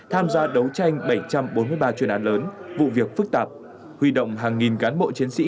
tham gia đấu tranh bảy trăm bốn mươi ba chuyên án lớn vụ việc phức tạp huy động hàng nghìn cán bộ chiến sĩ